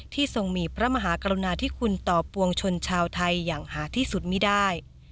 ทรงมีพระมหากรุณาธิคุณต่อปวงชนชาวไทยอย่างหาที่สุดไม่ได้